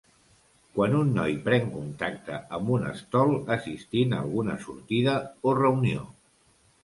Quan un noi pren contacte amb un estol assistint a alguna sortida o reunió.